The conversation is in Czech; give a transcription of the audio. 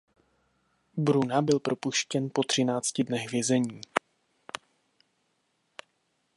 Bruna byl propuštěn po třinácti dnech věznění.